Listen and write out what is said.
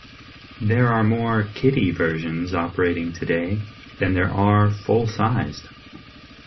There are more kiddie versions operating today than there are full-sized.